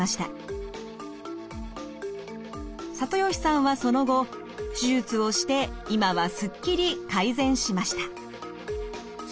里吉さんはその後手術をして今はすっきり改善しました。